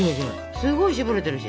すごい絞れてるし。